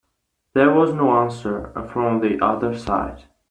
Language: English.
There was no answer from the other side.